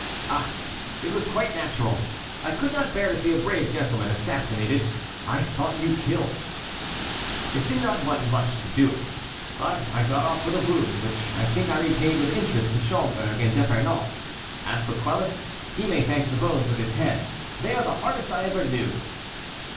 "Ah! it was quite natural; I could not bear to see a brave gentleman assassinated: I thought you killed." "It did not want much to do it, but I got off with a wound, which I think I repaid with interest to Schomberg and D'Epernon. As for Quelus, he may thank the bones of his head: they are the hardest I ever knew."